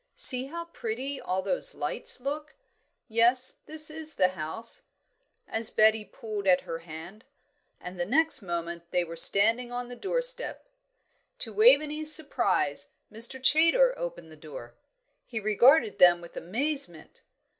See how pretty all those lights look! Yes, this is the house," as Betty pulled at her hand. And the next moment they were standing on the doorstep. To Waveney's surprise, Mr. Chaytor opened the door. He regarded them with amazement.